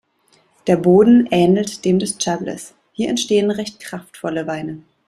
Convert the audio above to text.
Der Boden ähnelt dem des Chablis; hier entstehen recht kraftvolle Weine.